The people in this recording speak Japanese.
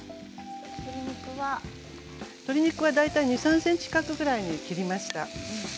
鶏肉は大体２、３ｃｍ角ぐらいに切りました。